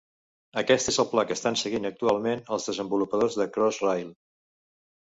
Aquest és el pla que estan seguint actualment els desenvolupadors de Crossrail.